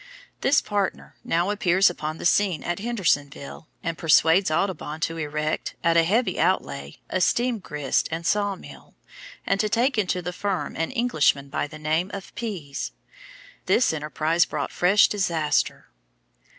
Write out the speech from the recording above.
This partner now appears upon the scene at Hendersonville and persuades Audubon to erect, at a heavy outlay, a steam grist and saw mill, and to take into the firm an Englishman by the name of Pease. This enterprise brought fresh disaster.